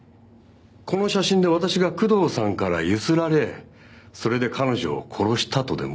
この写真で私が工藤さんから強請られそれで彼女を殺したとでも？